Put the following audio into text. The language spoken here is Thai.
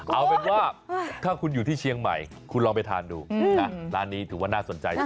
เอาเป็นว่าถ้าคุณอยู่ที่เชียงใหม่คุณลองไปทานดูนะร้านนี้ถือว่าน่าสนใจจริง